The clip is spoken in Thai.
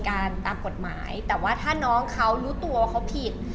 กระบวนการตามกฎหมายแต่ว่าถ้าน้องเขารู้ตัวเขาผิด